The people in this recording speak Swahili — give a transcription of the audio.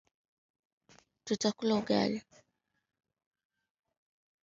Tutakula ugali